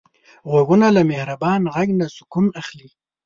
غوږونه له مهربان غږ نه سکون اخلي